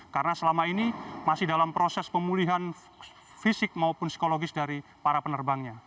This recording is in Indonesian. karena selama ini masih dalam proses pemulihan fisik maupun psikologis dari para penerbangnya